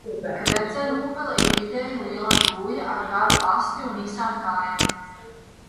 Gredzenūbele ir vidēji liela dūja ar garu asti un īsām kājām.